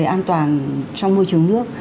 hoàn toàn trong môi trường nước